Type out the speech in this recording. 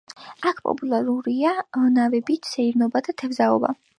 აქ პოპულარულია ნავებით სეირნობა და თევზაობა.